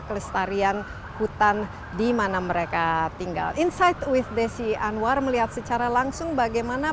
kelestarian hutan dimana mereka tinggal insight with desi anwar melihat secara langsung bagaimana